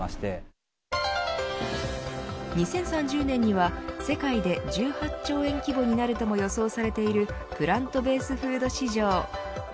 ２０３０年には世界で１８兆円規模になるとも予想されているプラントベースフード市場。